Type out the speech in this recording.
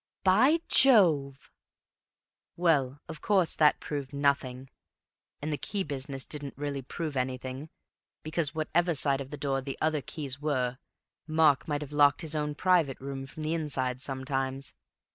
"By Jove!" "Well, of course that proved nothing; and the key business didn't really prove anything, because whatever side of the door the other keys were, Mark might have locked his own private room from the inside sometimes.